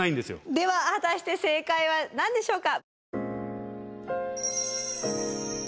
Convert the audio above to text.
では果たして正解は何でしょうか？